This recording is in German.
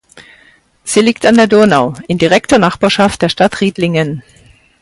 Sie liegt an der Donau, in direkter Nachbarschaft der Stadt Riedlingen.